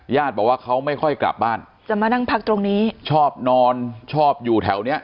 บอกว่าเขาไม่ค่อยกลับบ้านจะมานั่งพักตรงนี้ชอบนอนชอบอยู่แถวเนี้ย